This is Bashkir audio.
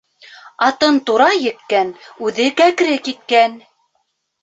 Атын тура еккән, үҙе кәкре киткән.